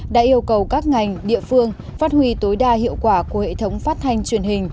đã yêu cầu các ngành địa phương phát huy tối đa hiệu quả của hệ thống phát thanh truyền hình